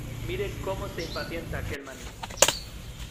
mire cómo se impacienta aquel manís.